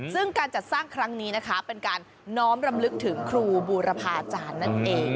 ซึ่งการจัดสร้างครั้งนี้นะคะเป็นการน้อมรำลึกถึงครูบูรพาอาจารย์นั่นเอง